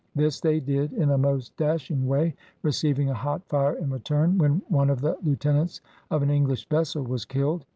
This they did in a most dashing way, receiving a hot fire in return, when one of the lieutenants of an English vessel was killed.